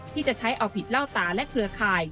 ที่จะใช้เอาผิดเล่าตาและเครือข่าย